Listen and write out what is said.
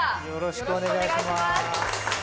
よろしくお願いします。